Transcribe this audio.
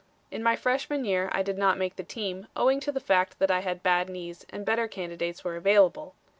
In my freshman year I did not make the team, owing to the fact that I had bad knees and better candidates were available.